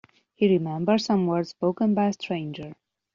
He remembered some words spoken by a stranger.